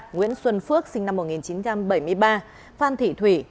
nguyễn xuân phước sinh năm một nghìn chín trăm bảy mươi ba phan thị thủy